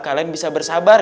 kalian bisa bersabar